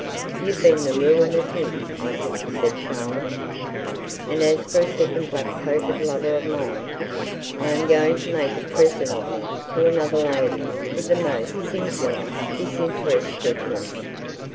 'You've been the ruin of him, I think,' said Charlotte. 'And as for a second black coated lover of mine, I am going to make a present to him of another lady with most singular disinterestedness.'